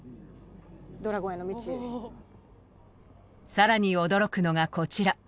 更に驚くのがこちら。